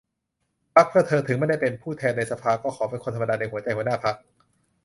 พรรคเพื่อเธอ : ถึงไม่ได้เป็นผู้แทนในสภา ก็ขอเป็นคนธรรมดาในหัวใจหัวหน้าพรรค